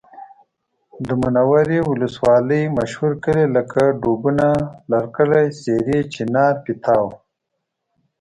د منورې ولسوالۍ مشهور کلي لکه ډوبونه، لرکلی، سېرۍ، چینار، پیتاو